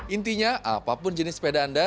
intinya apapun jenis sepeda anda